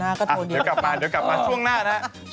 อ่ะเดี๋ยวก็กลับมาช่วงหน้านี้